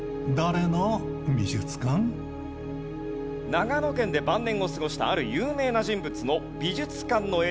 長野県で晩年を過ごしたある有名な人物の美術館の映像が流れます。